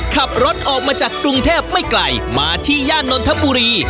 ขับรถออกมาจากกรุงเทพไม่ไกลมาที่ย่านนทบุรี